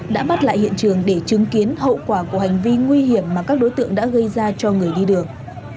đã bắt lại hiện trường để chứng kiến hậu quả của hành vi nguy hiểm mà các đối tượng đã gây ra cho người đi đường